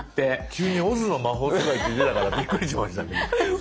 急に「オズの魔法使い」って出たからびっくりしましたけど。